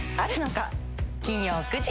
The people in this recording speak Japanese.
金曜９時。